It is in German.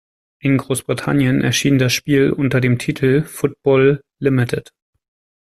In Großbritannien erschien das Spiel unter dem Titel "Football Limited".